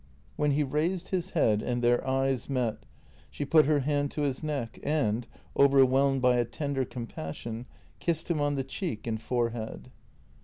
When he raised his head and their eyes met, she put her hand to his neck and, overwhelmed by a tender compassion, kissed him on the cheek and forehead.